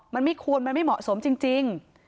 มันไม่ควรมันไม่เหมาะสมจริง